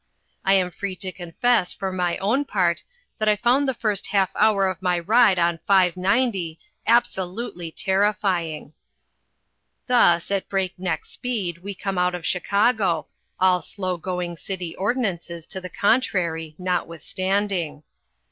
I am free to confess, for my own part, that I found the first half hour of my ride on 590 absolutely terrifying. Thus, at break neck speed, we come out of Chicago, all slow going city ordinances to the contrary notwithstanding.